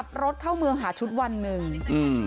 ขับรถเข้าเมืองหาชุดวันหนึ่งอืม